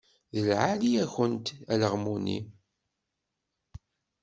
D lɛali-yakent alaɣmu-nni.